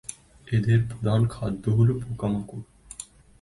এদের প্রধান খাদ্য হল পোকামাকড় এবং ব্যাঙ।